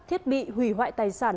thiết bị hủy hoại tài sản